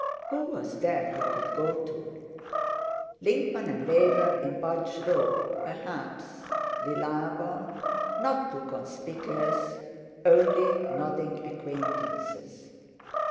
Who was there he could go to? Linkman and Laver in Budge Row, perhaps—reliable, not too conspicuous, only nodding acquaintances.